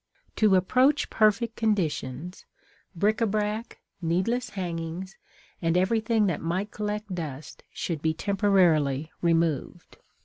To approach perfect conditions, bric a brac, needless hangings, and everything that might collect dust should be temporarily removed.